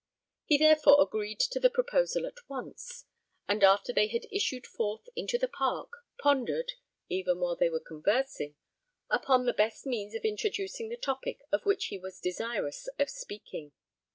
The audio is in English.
He therefore agreed to the proposal at once; and after they had issued forth into the park, pondered, even while they were conversing, upon the best means of introducing the topic of which he was desirous of speaking.